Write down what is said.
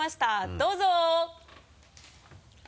どうぞ！